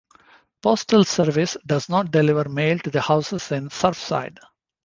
Postal Service does not deliver mail to the houses in Surfside.